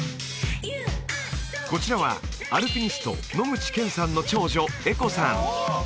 こちらはアルピニスト野口健さんの長女絵子さん